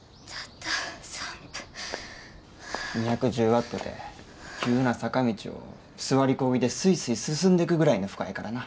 ２１０ワットて急な坂道を座りこぎでスイスイ進んでくぐらいの負荷やからな。